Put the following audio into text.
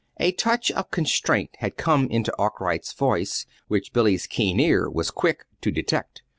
A touch of constraint had come into Arkwright's voice which Billy's keen ear was quick to detect.